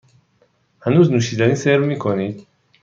هنوز نوشیدنی سرو می کنید؟